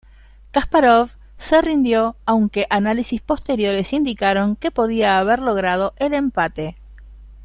Kasparov se rindió, aunque análisis posteriores indicaron que podía haber logrado el empate.